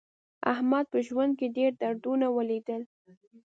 احمد په ژوند کې ډېر دردونه ولیدل.